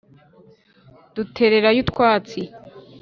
Dutererayo utwatsi